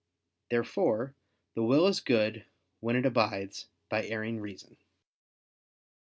Therefore the will is good when it abides by erring reason.